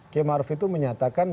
km arof itu menyatakan